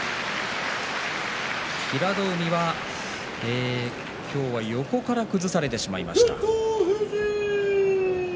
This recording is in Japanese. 平戸海は今日は横から崩されてしまいました。